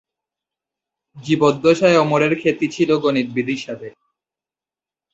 জীবদ্দশায় ওমরের খ্যাতি ছিল গণিতবিদ হিসাবে।